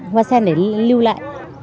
hoa sen để lưu lại